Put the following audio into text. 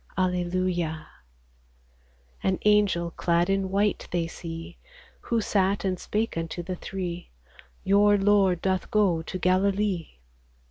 Alleluia ! An angel clad in white they see, Who sat and spake unto the three, —" Your Lord doth go to Galilee."